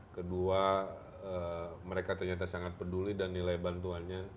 kedua mereka ternyata sangat peduli dan nilai bantuannya